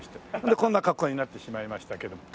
でこんな格好になってしまいましたけども。